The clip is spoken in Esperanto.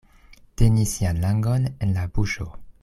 Teni sian langon en la buŝo.